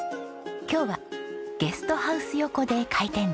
今日はゲストハウス横で開店です。